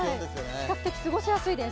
比較的、過ごしやすいです。